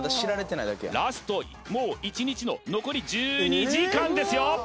ラストもう１日の残り１２時間ですよ